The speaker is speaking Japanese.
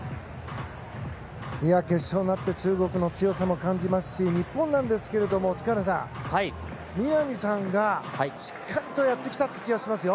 決勝になって中国の強さも感じますし日本なんですけれども塚原さん南さんがしっかりやってきたという気がしますよ。